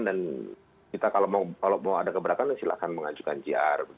dan kita kalau mau ada keberatan silahkan mengajukan cr